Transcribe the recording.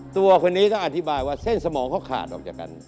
ตัวคนนี้ต้องอธิบายว่าเส้นสมองเขาขาดออกจากกัน